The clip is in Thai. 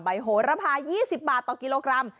โหระพา๒๐บาทต่อกิโลกรัม